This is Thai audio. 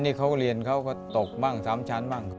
เดนนิเค้าเรียนเค้าก็ตกบ้างสามชั้นบ้าง